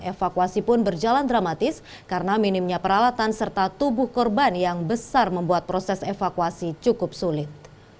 evakuasi pun berjalan dramatis karena minimnya peralatan serta tubuh korban yang besar membuat proses evakuasi cukup sulit